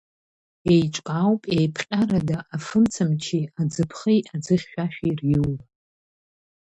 Еиҿкаауп еиԥҟьарада афымцамчи, аӡыԥхеи аӡыхьшәашәеи риура.